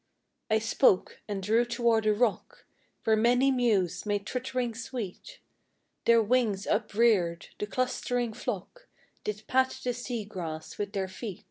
I spoke, and drew toward a rock, Where many mews made twittering sweet; Their wings upreared, the clustering flock Did pat the sea grass with their feet.